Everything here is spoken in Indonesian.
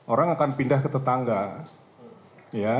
orang akan pindah ke tetangga